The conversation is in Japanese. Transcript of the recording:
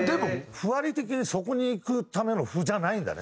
譜割り的にそこにいくための譜じゃないんだね。